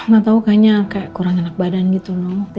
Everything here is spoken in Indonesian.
gak tau kayaknya kayak kurang enak badan gitu loh